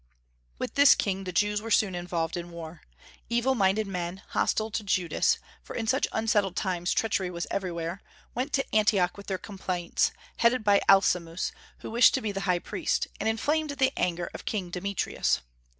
With this king the Jews were soon involved in war. Evil minded men, hostile to Judas (for in such unsettled times treachery was everywhere), went to Antioch with their complaints, headed by Alcimus, who wished to be high priest, and inflamed the anger of King Demetrius.